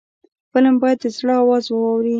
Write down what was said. فلم باید د زړه آواز واوري